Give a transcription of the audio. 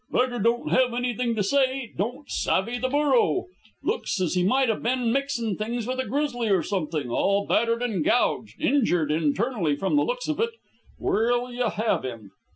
"Beggar don't have anythin' to say. Don't savve the burro." "Looks as he might have been mixin' things with a grizzly or somethin', all battered and gouged. Injured internally, from the looks of it. Where'll you have him?"